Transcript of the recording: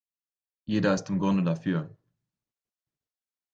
Jeder ist im Grunde dafür.